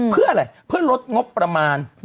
เพื่ออะไรเพื่อลดงบประมาณ